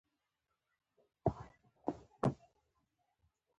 دی د پنجشیر د مشهور قوماندان احمد شاه مسعود سکرتر وو.